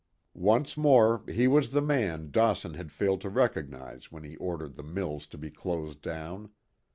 Once more he was the man Dawson had failed to recognize when he ordered the mills to be closed down.